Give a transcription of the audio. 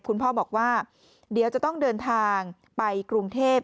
คุณพ่อบอกว่าเดี๋ยวจะต้องเดินทางไปกรุงเทพ